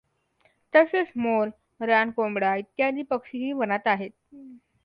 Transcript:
तसेच मोर, रानकोंबडा, इत्यादी पक्षीही वनांत आहेत.